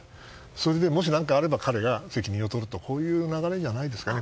それで、もし何かあれば彼が責任を取るという流れじゃないでしょうか。